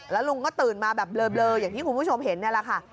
แล้วลุงก็ตื่นมาแบบเบลออย่างที่คุณผู้ชมเห็นนี่แหละค่ะ